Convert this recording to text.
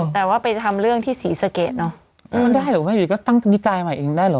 แต่ว่าไปทำเรื่องที่ศรีสะเกดเนอะมันได้เหรอแม่อยู่ก็ตั้งนิกายใหม่เองได้เหรอ